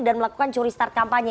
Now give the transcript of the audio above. dan melakukan curi start kampanye